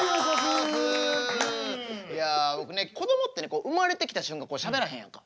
いや僕ねこどもってね生まれてきた瞬間しゃべらへんやんか。